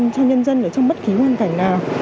cho nhân dân trong bất kỳ quan cảnh nào